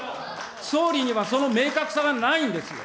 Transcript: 総理にはその明確さがないんです。